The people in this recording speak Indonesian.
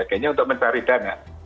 dan sebagainya untuk mencari dana